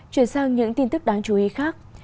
chuyển sang những tin tức đáng chú ý khác